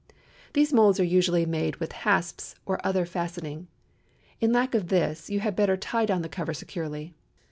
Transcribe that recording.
These moulds are usually made with hasps or other fastening. In lack of this, you had better tie down the cover securely.